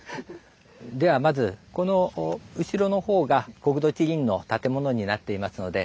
ではまずこの後ろのほうが国土地理院の建物になっていますので。